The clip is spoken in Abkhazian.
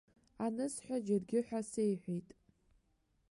Анысҳәа, џьаргьы ҳәа сеиҳәеит.